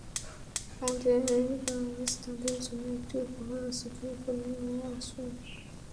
আমাদের কাছ তাদের জন্য একটি উপহার আছে, তুমি এখনো আছো?